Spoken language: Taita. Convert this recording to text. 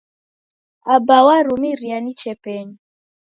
Aba warumiria niche penyu.